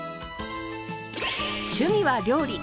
趣味は料理。